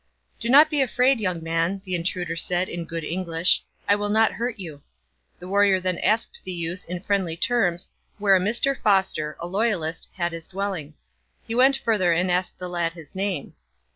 'Do not be afraid, young man,' the intruder said in good English; 'I will not hurt you.' The warrior then asked the youth in friendly terms where a Mr Foster, a loyalist, had his dwelling. He went further and asked the lad his name.